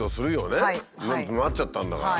なっちゃったんだから。